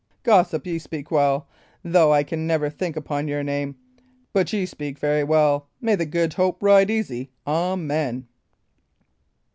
Gossip, ye speak well, though I can never think upon your name; but ye speak very well. May the Good Hope ride easy! Amen!"